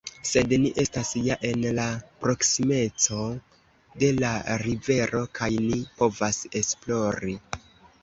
Sed ni estas ja en la proksimeco de la rivero kaj ni povas esplori.